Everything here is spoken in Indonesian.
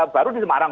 baru di semarang